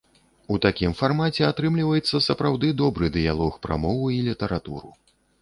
У такім фармаце атрымліваецца сапраўды добры дыялог пра мову і літаратуру.